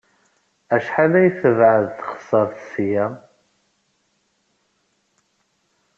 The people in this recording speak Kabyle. Acḥal ay tebɛed teɣsert seg-a?